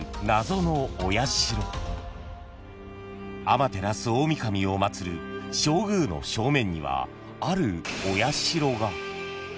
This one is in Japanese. ［天照大御神を祭る正宮の正面にはあるお社が］